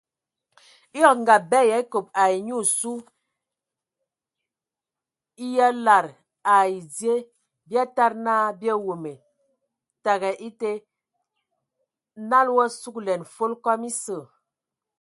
Eyɔŋ ngab bɛ yə a ekob ai e nyi osu yə a e lada ai dzə bi a tadi na bi aweme təgɛ ete, nala o a sugəlɛn fol kɔm esə.